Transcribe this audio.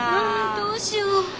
どうしよう。